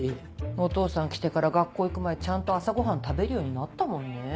お父さん来てから学校行く前ちゃんと朝ごはん食べるようになったもんね。